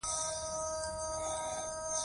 شونډې وخوځېدې.